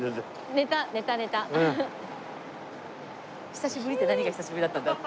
「久しぶり」って何が久しぶりだったんだ。